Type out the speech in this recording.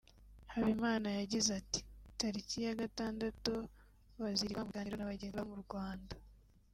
Habimana yagize ati “Tariki ya gatandatu bazirirwa mu biganiro na bagenzi babo bo mu Rwanda